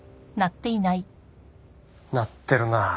鳴ってるな。